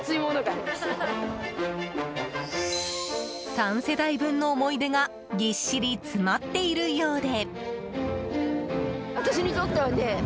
３世代分の思い出がぎっしり詰まっているようで。